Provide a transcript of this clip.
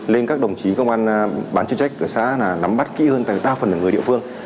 nên các đồng chí công an bán chuyên trách ở xã nắm bắt kỹ hơn đa phần là người địa phương